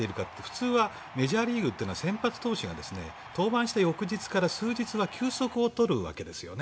普通はメジャーリーグというのは先発投手が登板した翌日から数日は休息を取るわですよね。